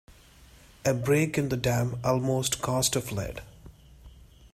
A break in the dam almost caused a flood.